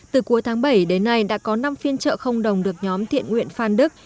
từ cuối tháng bảy đến nay đã có năm phiên trợ không đồng được nhóm thiện nguyện phan đức